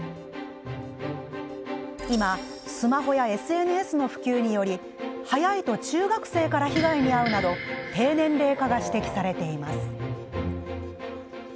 今、スマホやＳＮＳの普及により早いと中学生から被害に遭うなど低年齢化が指摘されています。